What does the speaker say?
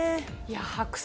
白菜